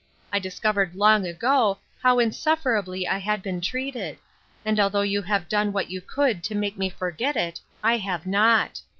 I discovered long ago how insufferably I had been treated ; and al though you have done what you could to make me forget it, I have not.